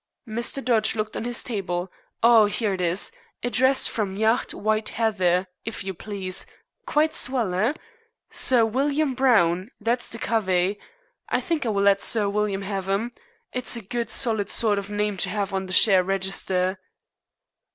Mr. Dodge looked on his table. "Oh, here it is. Addressed from 'Yacht White Heather,' if you please. Quite swell, eh? Sir William Browne! That's the covey. I think I will let Sir William have 'em. It's a good, solid sort of name to have on the share register."